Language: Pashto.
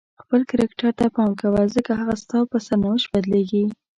خپل کرکټر ته پام کوه ځکه هغه ستا په سرنوشت بدلیږي.